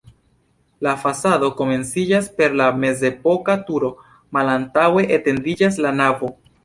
La fasado komenciĝas per la mezepoka turo, malantaŭe etendiĝas la navo.